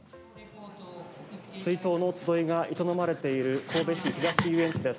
追悼の集いが営まれている神戸市、東遊園地です。